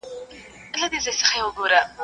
پر سجدوی وي زیارتو کي د پیرانو.